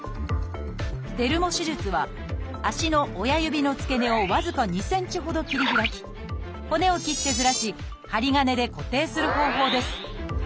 「デルモ手術」は足の親指の付け根を僅か２センチほど切り開き骨を切ってずらし針金で固定する方法です。